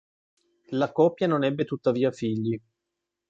La coppia non ebbe tuttavia figli.